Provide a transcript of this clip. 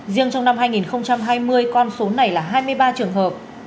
riêng trong năm hai nghìn hai mươi con số này là hai mươi ba trường hợp